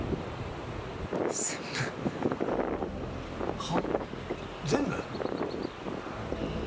全部はあ？全部！？